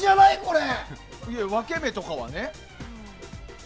分け目とかはね。